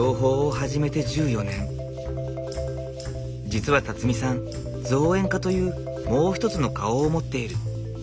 実はさん造園家というもう一つの顔を持っている。